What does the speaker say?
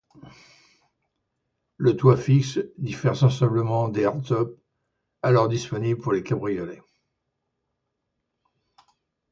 Le toit fixe diffère sensiblement des hard-tops alors disponibles pour les cabriolets.